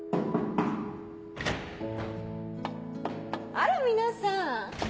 あら皆さん！